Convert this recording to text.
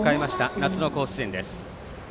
夏の甲子園です。